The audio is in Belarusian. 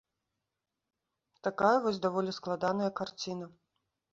Такая вось даволі складаная карціна.